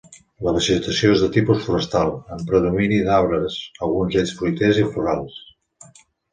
La vegetació és de tipus forestal, amb predomini d'arbres, alguns d'ells fruiters i florals.